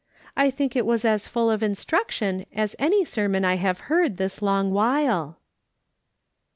I think it was as full of instruction as any sermon I have heard this long while."